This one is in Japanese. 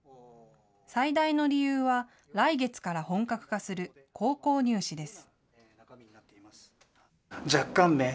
最大の理由は来月から本格化する高校入試です。